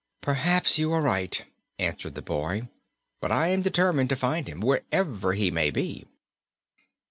"Perhaps you are right," answered the boy, "but I am determined to find him, wherever he may be."